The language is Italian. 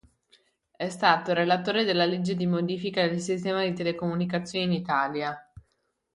È stato relatore della legge di modifica del sistema di telecomunicazioni in Italia.